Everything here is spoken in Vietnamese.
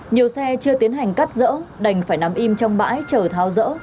nhiều xe chưa tiến hành cắt rỡ đành phải nằm im trong bãi chờ thao rỡ